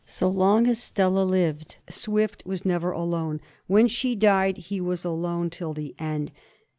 So long as Stella lived Swift was never alone. When she died he was alone till the end.